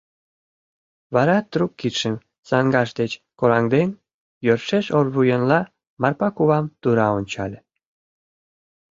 Вара трук кидшым саҥгаж деч кораҥден, йӧршеш орвуянла Марпа кувам тура ончале.